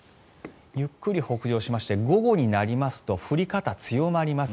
ゆっくり北上しまして午後になりますと降り方、強まります。